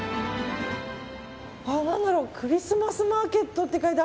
何だろうクリスマスマーケットって書いた。